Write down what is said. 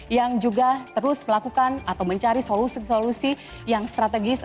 yang juga terus melakukan atau mencari solusi solusi yang strategis